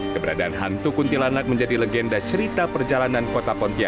keberadaan hantu kuntilanak menjadi legenda cerita perjalanan kota pontianak